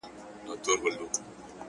پاچا صاحبه خالي سوئ؛ له جلاله یې؛